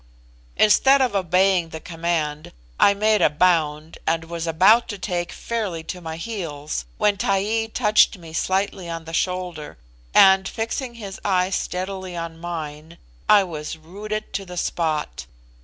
Instead of obeying the command, I made a bound, and was about to take fairly to my heels, when Taee touched me slightly on the shoulder, and, fixing his eyes steadily on mine, I was rooted to the spot.